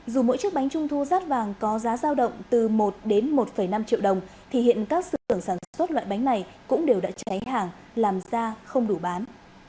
dù mỗi chiếc bánh trung thu rát vàng có giá giao động từ một đến một năm triệu đồng thì hiện các sưởng sản xuất loại bánh này cũng đều đã cháy hàng làm ra không đủ bán